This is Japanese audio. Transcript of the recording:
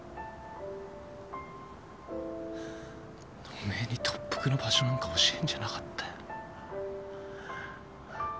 おめえに特服の場所なんか教えんじゃなかったよ。